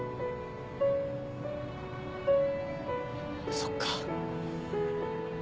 そっか。